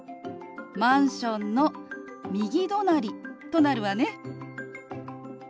「マンションの右隣」となるわね。